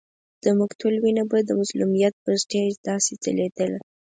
د مقتول وینه به د مظلومیت پر سټېج داسې ځلېدله.